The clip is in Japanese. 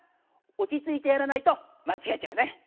おちついてやらないとまちがえちゃうね。